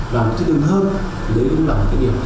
làm thích hứng hơn đấy cũng là một cái điểm